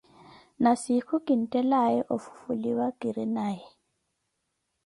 Na siikhu kinttelaaya ofufuliwa ki ri haayi.